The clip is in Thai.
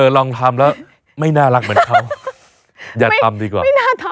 ลองทำแล้วไม่น่ารักเหมือนเขาอย่าทำดีกว่า